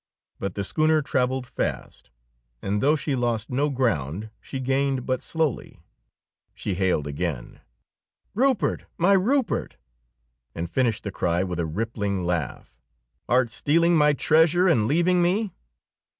But the schooner traveled fast, and, though she lost no ground, she gained but slowly. She hailed again. "Rupert, my Rupert!" and finished the cry with a rippling laugh. "Art stealing my treasure and leaving me?"